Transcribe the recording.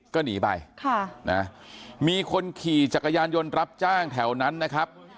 ก็หนีไปมีคนขี่จักรยานยนต์รับจ้างแถวนั้นนะครับ